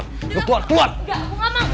enggak aku gak mau